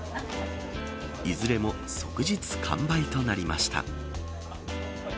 いずれも即日完売となりました。